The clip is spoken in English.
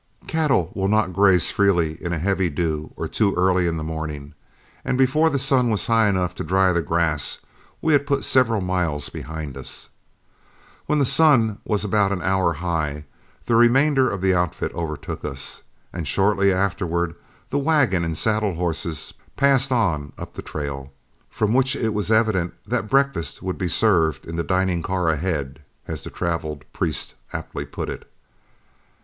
Cattle will not graze freely in a heavy dew or too early in the morning, and before the sun was high enough to dry the grass, we had put several miles behind us. When the sun was about an hour high, the remainder of the outfit overtook us, and shortly afterward the wagon and saddle horses passed on up the trail, from which it was evident that "breakfast would be served in the dining car ahead," as the traveled Priest aptly put it.